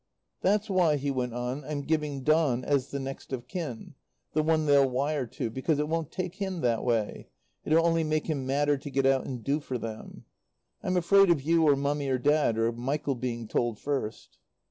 "That's why," he went on, "I'm giving Don as the next of kin the one they'll wire to; because it won't take him that way; it'll only make him madder to get out and do for them. I'm afraid of you or Mummy or Dad, or Michael being told first."